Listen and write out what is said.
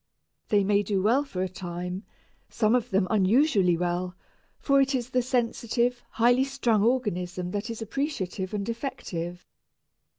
They may do well for a time, some of them unusually well, for it is the sensitive, high strung organism that is appreciative and effective.